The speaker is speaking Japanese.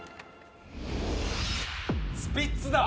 スピッツだ！